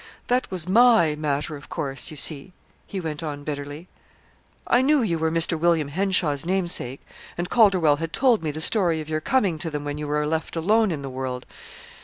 That was my 'matter of course,' you see," he went on bitterly. "I knew you were Mr. William Henshaw's namesake, and Calderwell had told me the story of your coming to them when you were left alone in the world.